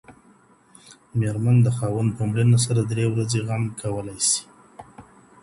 ميرمن د خاوند په مړينه سره درې ورځي غم کولای سي.